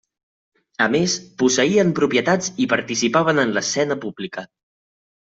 A més, posseïen propietats i participaven en l'escena pública.